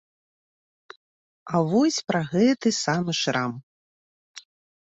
А вось пра гэты самы шрам.